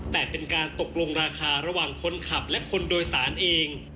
แต่เป็นการตกลงราคาระหว่างคนขับและคนโดยสารเอง